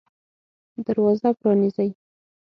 دروازه پرانیزئ